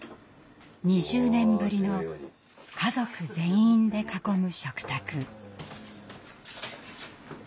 ２０年ぶりの家族全員で囲む食卓。